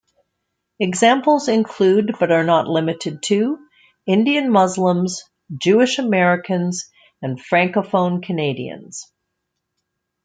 Examples include, but are not limited to, Indian Muslims, Jewish Americans, and Francophone Canadians.